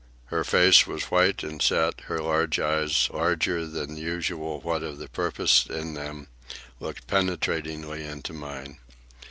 Her face was white and set; her large eyes, larger than usual what of the purpose in them, looked penetratingly into mine.